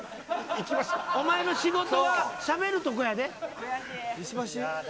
おまえの仕事はしゃべるとこやで。